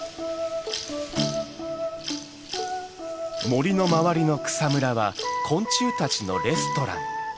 森の周りの草むらは昆虫たちのレストラン。